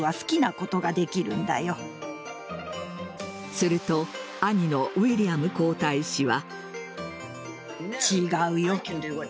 すると兄のウィリアム皇太子は。